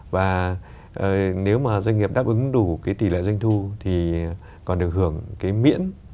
và nếu mà doanh nghiệp đáp ứng đủ cái tỷ lệ doanh thu thì còn được hưởng cái miễn